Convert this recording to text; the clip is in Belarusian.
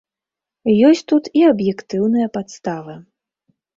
Ёсць тут і аб'ектыўныя падставы.